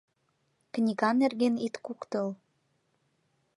— Книга нерген ит куктыл...